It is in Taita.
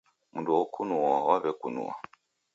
Mndu okunua waw'ekunua.